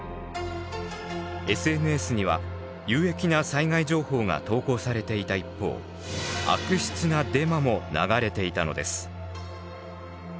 ＳＮＳには有益な災害情報が投稿されていた一方悪質なデマも流れていたのです。